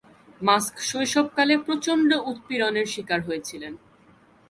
Mask শৈশবকালে প্রচন্ড উৎপীড়নের শিকার হয়েছিলেন।